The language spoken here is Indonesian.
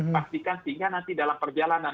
pastikan sehingga nanti dalam perjalanan